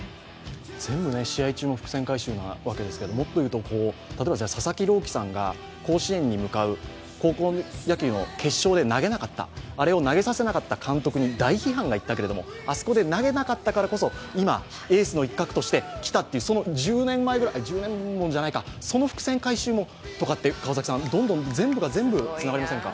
全部試合中も伏線回収なわけですけど、もっと言うと、例えば佐々木朗希さんが甲子園に向かう、高校野球の決勝で投げなかった、投げさせなかった監督に大批判がいったけども、あそこで投げなかったからこそ今、エースの一角できたというその伏線回収とかって、全部が全部つながりませんか。